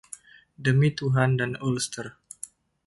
Demi Tuhan dan Ulster.